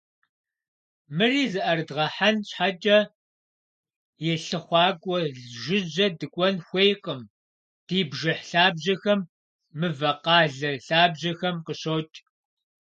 Мыри зыӏэрыдгъэхьэн щхьэкӏэ, и лъыхъуакӏуэ жыжьэ дыкӏуэн хуейкъым: ди бжыхь лъабжьэхэм, мывэкъалэ лъабжьэхэм къыщокӏ.